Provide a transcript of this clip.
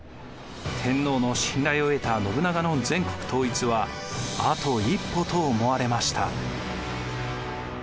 天皇の信頼を得た信長の全国統一はあと一歩と思われました。